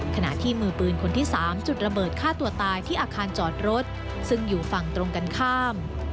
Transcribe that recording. ขณะที่มือปืนคนที่๓จุดระเบิดฆ่าตัวตายที่อาคารจอดรถซึ่งอยู่ฝั่งตรงกันข้าม